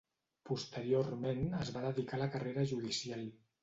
Posteriorment es va dedicar a la carrera judicial.